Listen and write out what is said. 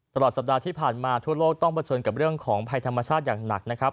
ตลอดสัปดาห์ที่ผ่านมาทั่วโลกต้องเผชิญกับเรื่องของภัยธรรมชาติอย่างหนักนะครับ